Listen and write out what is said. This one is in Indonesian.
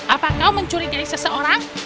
apa kau mencurigai seseorang